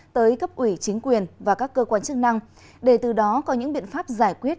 tới cấp ủy chính quyền và các cơ quan chức năng để từ đó có những biện pháp giải quyết